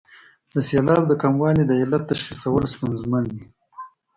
د سېلاب د کموالي د علت تشخیصول ستونزمن دي.